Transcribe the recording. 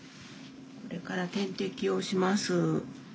これから点滴をします。